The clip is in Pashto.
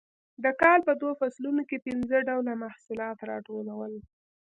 د کال په دوو فصلونو کې پنځه ډوله محصولات راټولول